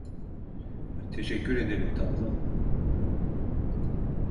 Teşekkür ederim tatlım.